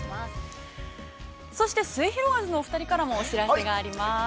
◆そしてすゑひろがりずのお二人からもお知らせがあります。